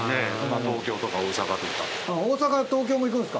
東京とか大阪とか。